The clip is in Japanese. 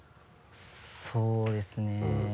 そうですね。